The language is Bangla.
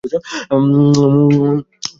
আমার বাসায় কি করছ?